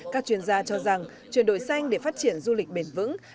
các chuyên gia cho rằng chuyển đổi xanh để phát triển du lịch bền vững